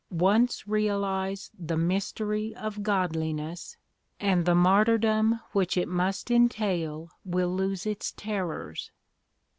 Once realise the 'mystery of godliness,' and the martyrdom which it must entail will lose its terrors."